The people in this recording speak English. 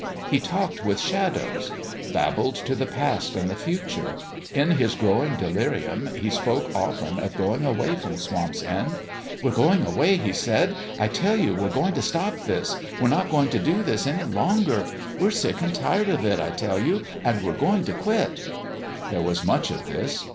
He talked with shadows babbled to the Past and the Future. In this growing de lirium he spoke often of going away from Swamp's End. "We're going away," he said. " I tell you we're going to stop this. We're not going to do this any longer. We're sick and tired of it, I tell you, and we're going to quit." 326 . THE END OF THE GAME There was much of this.